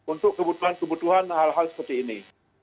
untuk kebutuhan kebutuhan hal hal seperti ini